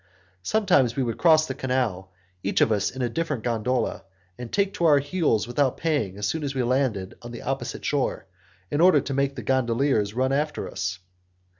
Sometimes we would cross the canal, each of us in a different gondola, and take to our heels without paying as soon as we landed on the opposite side, in order to make the gondoliers run after us.